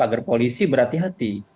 agar polisi berhati hati